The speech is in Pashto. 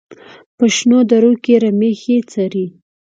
په شنو درو کې رمې ښې څري.